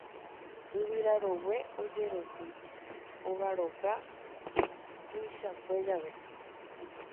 yvyra rogue ojeroky ogaroka tuichakue jave